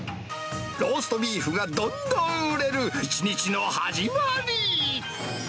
ローストビーフがどんどん売れる、一日の始まり。